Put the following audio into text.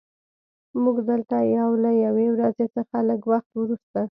موږ دلته یو له یوې ورځې څخه لږ وخت وروسته